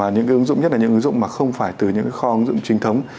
nhất là những cái ứng dụng mà không phải từ những cái kho ứng dụng trinh thống